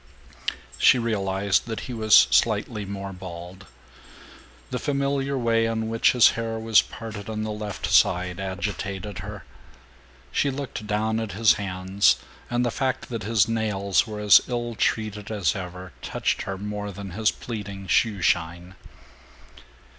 She realized that he was slightly more bald. The familiar way in which his hair was parted on the left side agitated her. She looked down at his hands, and the fact that his nails were as ill treated as ever touched her more than his pleading shoe shine.